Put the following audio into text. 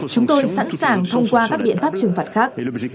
chúng tôi sẵn sàng thông qua các biện pháp trừng phạt khác